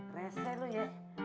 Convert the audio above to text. reset lu ya